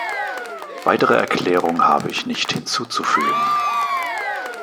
Weitere Erklärungen habe ich nicht hinzuzufügen!